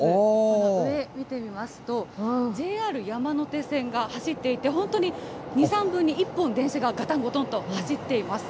上、見てみますと、ＪＲ山手線が走っていて、本当に２、３分に１本、電車ががたんごとんと走っています。